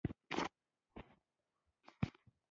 ګلوله په اسانۍ سره له حلقې څخه تیریږي.